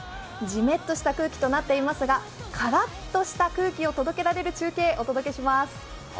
ジメッとした空気となっていますが、カラッとした空気を届けられる中継をお届けします。